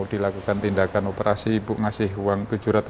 dilakukan tindakan operasi bu ngasih uang